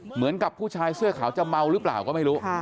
เหมือนกับผู้ชายเสื้อขาวจะเมาหรือเปล่าก็ไม่รู้